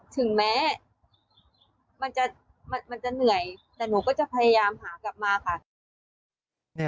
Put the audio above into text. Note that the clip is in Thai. ถึงแม้มันจะมันจะเหนื่อยแต่หนูก็จะพยายามหากลับมาค่ะ